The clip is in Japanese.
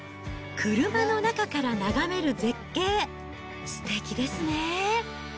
車の中から眺める絶景、すてきですね。